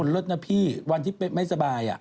รสนะพี่วันที่ที่แป๊บไม่สบาย